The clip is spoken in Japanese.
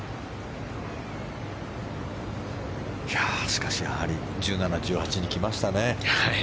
しかし、やはり１７、１８に来ましたね。